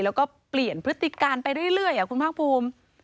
แล้วก็เปลี่ยนพฤติการไปเรื่อยคุณภาคภูมิ